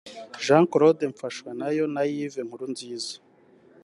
Jean Claude Mfashwanayo na Yves Nkurunziza